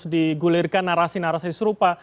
digulirkan narasi narasi serupa